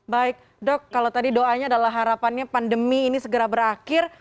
baik dok kalau tadi doanya adalah harapannya pandemi ini segera berakhir